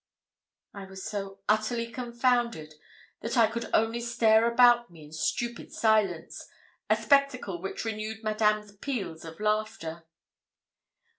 I was so utterly confounded that I could only stare about me in stupid silence, a spectacle which renewed Madame's peals of laughter.